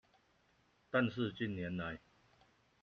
但是近年來